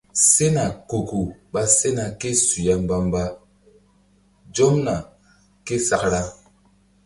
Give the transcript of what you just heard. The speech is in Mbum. Sena kuku ɓa sena ké su ya mbamba zomna ké sakra.